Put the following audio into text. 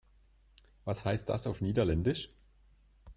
Was heißt das auf Niederländisch?